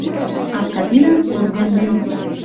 Аркадилӓн орден лин.